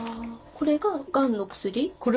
これががんの薬。